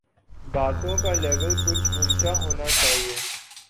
باتوں کا لیول کچھ اونچا ہونا چاہیے۔